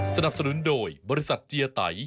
สนับสนุนโดยบริษัทเจียไต